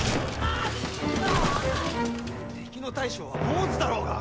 敵の大将は坊主だろうが！